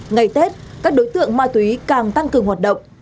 ngày tết các đối tượng ma túy càng tăng cường hoạt động